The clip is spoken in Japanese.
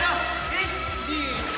１、２、３！